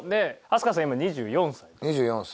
飛鳥さん今２４歳。